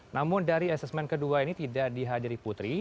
namun dari asesmen kedua ini tidak dihadiri putri